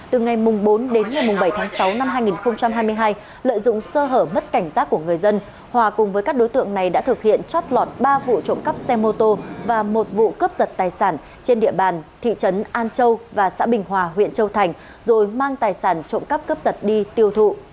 từ ngày bốn đến ngày bảy tháng sáu năm hai nghìn hai mươi hai lợi dụng sơ hở mất cảnh giác của người dân hòa cùng với các đối tượng này đã thực hiện chót lọt ba vụ trộm cắp xe mô tô và một vụ cướp giật tài sản trên địa bàn thị trấn an châu và xã bình hòa huyện châu thành rồi mang tài sản trộm cắp cướp giật đi tiêu thụ